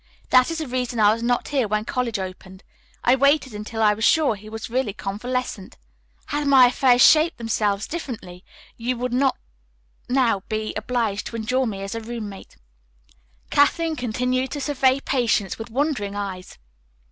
That is the reason I was not here when college opened. I waited until I was sure he was really convalescent. Had my affairs shaped themselves differently, you would not now be obliged to endure me as a roommate." Kathleen continued to survey Patience with wondering eyes.